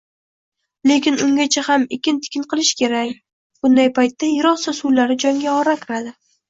Lekin ungacha ham ekin-tikin qilish kerak. Bunday paytda yerosti suvlari jonga ora kiradi.